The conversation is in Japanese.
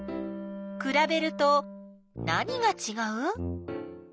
くらべると何がちがう？